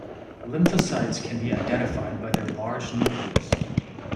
Lymphocytes can be identified by their large nucleus.